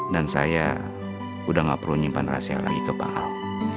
dan saya udah gak perlu nyimpan rahasia lagi ke paal